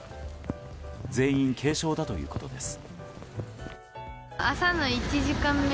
全員、軽症だということです。